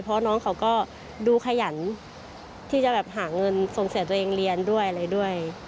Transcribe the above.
เพราะน้องเขาก็ดูขยันที่จะแบบหาเงินส่งเสียตัวเองเรียนด้วยอะไรด้วย